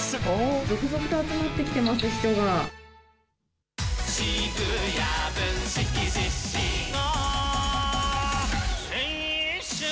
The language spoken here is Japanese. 続々と集まって来てます、人が。